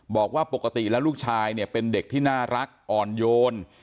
บอกว่าปกติแล้วลูกชายเนี่ยเป็นเด็กที่น่ารักอ่อนโยน